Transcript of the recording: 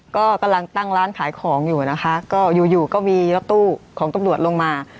ก็กำลังตั้งร้านขายของอยู่นะคะก็อยู่อยู่ก็มีรถตู้ของตำรวจลงมา